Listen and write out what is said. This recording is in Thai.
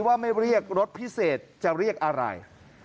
ว่าไม่เรียกรถพิเศษจะเรียกอะไร